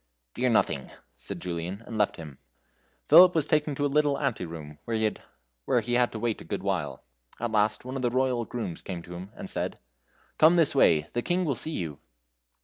"Fear nothing," said Julian, and left him. Philip was taken to a little ante room, where he had to wait a good while. At last one of the royal grooms came to him, and said: "Come this way; the King will see you."